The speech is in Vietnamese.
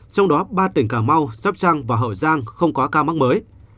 trong đó ba tỉnh cà mau sắp trăng và hậu giang không có ca mắc mới